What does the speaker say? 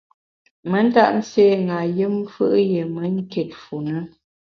Me ntap nségha yùm fù’ yié me nkit fu ne.